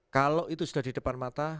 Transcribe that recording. kalau itu sudah di depan mata